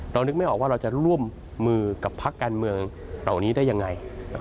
นึกไม่ออกว่าเราจะร่วมมือกับพักการเมืองเหล่านี้ได้ยังไง